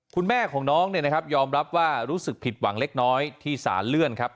คุณแม่ของน้องเนี่ยนะครับยอมรับว่ารู้สึกผิดหวังเล็กน้อยที่สารเลื่อนครับ